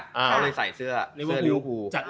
เขาเลยใส่เสื้อลิเวอร์ฟู